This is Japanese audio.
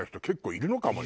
いるかもね！